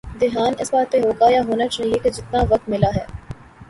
دھیان اس بات پہ ہو گا یا ہونا چاہیے کہ جتنا وقت ملا ہے۔